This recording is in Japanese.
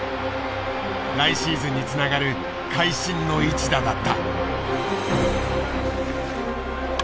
来シーズンにつながる会心の一打だった。